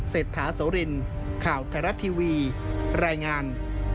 เศรษฐาโสรินข่าวไทยรัฐทีวีรายงาน